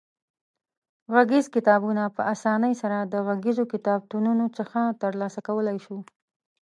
غږیز کتابونه په اسانۍ سره د غږیزو کتابتونونو څخه ترلاسه کولای شو.